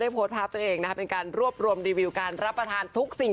โพสต์ภาพตัวเองนะคะเป็นการรวบรวมรีวิวการรับประทานทุกสิ่ง